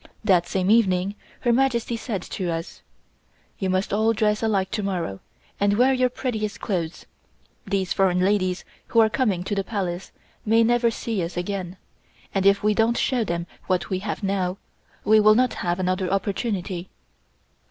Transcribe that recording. That same evening Her Majesty said to us: "You must all dress alike to morrow, and wear your prettiest clothes. These foreign ladies who are coming to the Palace may never see us again, and if we don't show them what we have now, we will not have another opportunity."